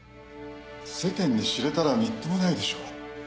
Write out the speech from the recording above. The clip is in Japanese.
世間に知れたらみっともないでしょう。